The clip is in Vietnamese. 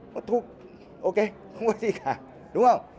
thu ok không có gì cả đúng không